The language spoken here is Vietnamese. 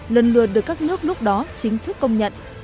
lần lượt được các nước lúc đó chính thức công nhận